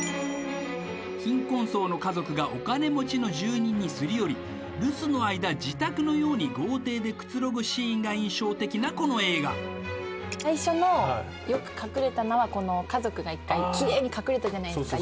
貧困層の家族がお金持ちの住人にすりより留守の間自宅のように豪邸でくつろぐシーンが印象的なこの映画最初の「よく隠れたな」はこの家族が一回きれいに隠れたじゃないですか